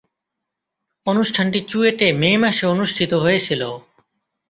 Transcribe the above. অনুষ্ঠানটি চুয়েটে মে মাসে অনুষ্ঠিত হয়েছিলো।